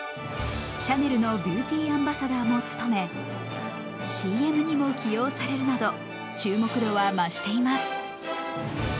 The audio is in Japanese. シャネルのビューティーアンバサダーも務め、ＣＭにも起用されるなど注目度は増しています。